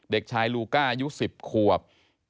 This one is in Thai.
เด็กชายลูก้าอายุ๑๐ขวบ